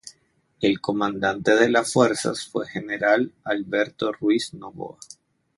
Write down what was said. El comandante de las fuerzas fue general Alberto Ruiz Novoa.